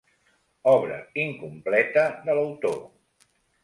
Obra incompleta de l'autor.